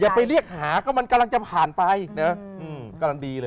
อย่าไปเรียกหาก็มันกำลังจะผ่านไป